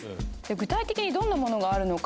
具体的にどんなものがあるのか